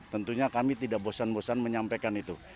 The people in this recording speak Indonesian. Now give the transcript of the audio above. tentunya kami tidak bosan bosan menyampaikan itu